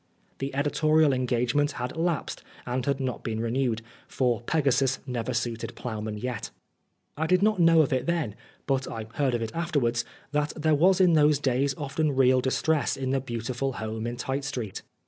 The editorial engagement had lapsed and had not been renewed, for Pegasus never suited ploughman yet. I did not know it then, but I heard of it afterwards, that there was in those days often real distress in the beautiful home in Tite Street.